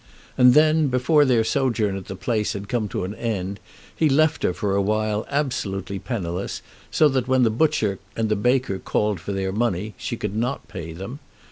And then before their sojourn at the place had come to an end he left her for awhile absolutely penniless, so that when the butcher and baker called for their money she could not pay them.